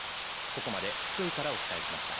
ここまで福井からお伝えしました。